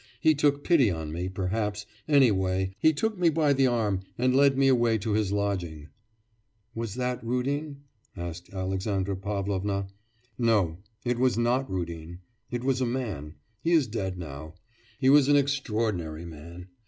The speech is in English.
He took pity on me, perhaps; anyway, he took me by the arm and led me away to his lodging.' 'Was that Rudin?' asked Alexandra Pavlovna. 'No, it was not Rudin... it was a man... he is dead now... he was an extraordinary man.